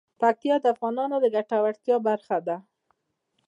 پکتیا د افغانانو د ګټورتیا برخه ده.